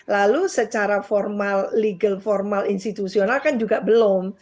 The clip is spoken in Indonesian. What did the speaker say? lalu secara formal legal formal institusional kan juga belum